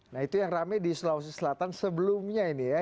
nah itu yang rame di sulawesi selatan sebelumnya ini ya